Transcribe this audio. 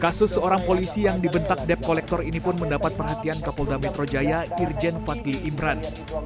kasus seorang polisi yang dibentak dep kolektor ini pun mendapat perhatian kapolda metro jaya irjen fadli imran